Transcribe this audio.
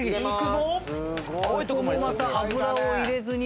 ここもまた油を入れずに。